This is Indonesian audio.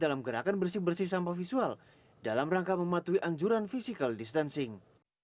dalam gerakan bersih bersih sampah visual dalam rangka mematuhi anjuran physical distancing